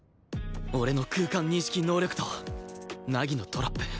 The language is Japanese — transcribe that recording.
俺の空間認識能力と凪のトラップ